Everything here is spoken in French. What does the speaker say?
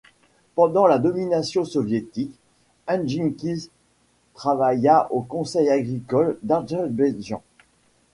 Pendant la domination soviétique, Hadjinski travailla au Conseil agricole d'Azerbaïdjan.